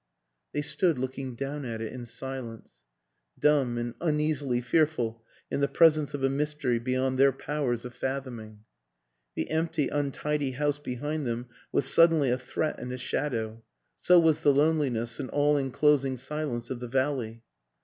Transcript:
They stood looking down at it in silence dumb and uneasily fearful in the presence of a mystery beyond their powers of fathoming. The empty, untidy house behind them was suddenly a threat and a shadow; so was the loneliness and all inclosing silence of the valley.